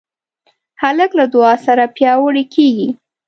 هلک له دعا سره پیاوړی کېږي.